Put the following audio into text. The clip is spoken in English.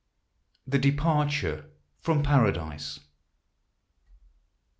THE DEPARTURE FROM PARADISE.